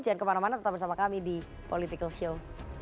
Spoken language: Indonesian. jangan kemana mana tetap bersama kami di political show